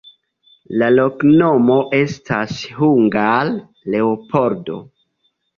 La loknomo estas hungare: Leopoldo.